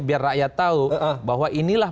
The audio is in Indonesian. biar rakyat tahu bahwa inilah